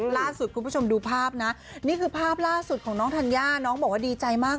คุณผู้ชมดูภาพนะนี่คือภาพล่าสุดของน้องธัญญาน้องบอกว่าดีใจมาก